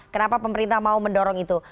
kenapa pemerintah mau mendorong itu